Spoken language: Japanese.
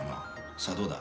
さあ、どうだ？